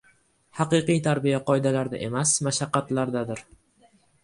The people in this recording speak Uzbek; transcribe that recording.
Haqiqiy tarbiya qoidalarda emas, mashqlardadir.